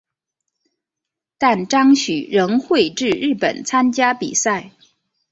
但张栩仍会至日本参加比赛。